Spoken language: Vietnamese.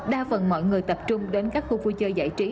đa phần mọi người tập trung đến các khu vui chơi giải trí